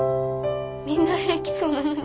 みんな平気そうなのに。